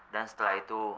dan setelah itu